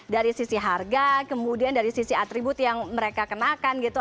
dari sisi harga kemudian dari sisi atribut yang mereka kenakan gitu